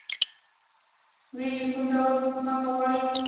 وریجې کوم ډول ځمکه غواړي؟